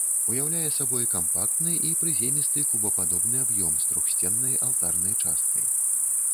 Уяўляе сабой кампактны і прыземісты кубападобны аб'ём з трохсценнай алтарнай часткай.